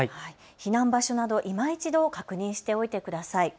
避難場所など、いま一度確認しておいてください。